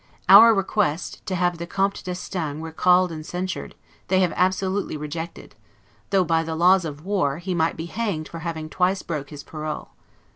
Our request, to have the Comte d'Estaing recalled and censured, they have absolutely rejected, though, by the laws of war, he might be hanged for having twice broke his parole.